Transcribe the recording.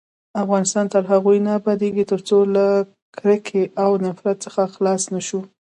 افغانستان تر هغو نه ابادیږي، ترڅو له کرکې او نفرت څخه خلاص نشو.